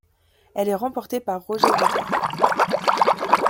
Elle est remportée par Roger Rivière.